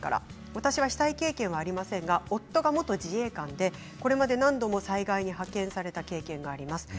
私は被災経験がありませんが夫が元自衛官でこれまで何度も災害に派遣された経験があります。